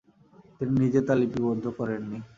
তিনি নিজে তা লিপিবদ্ধ করেন নি।